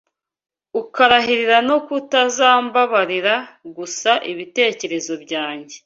ukarahirira no kutazambabarira gusa ibitekerezo byanjye